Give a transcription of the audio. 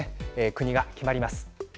国が決まります。